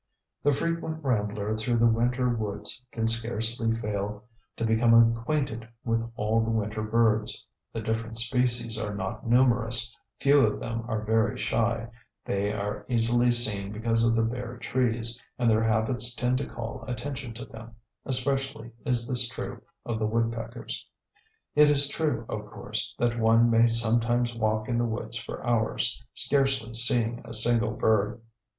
"_ The frequent rambler through the winter woods can scarcely fail to become acquainted with all the winter birds. The different species are not numerous, few of them are very shy, they are easily seen because of the bare trees, and their habits tend to call attention to them; especially is this true of the woodpeckers. It is true, of course, that one may sometimes walk in the woods for hours, scarcely seeing a single bird.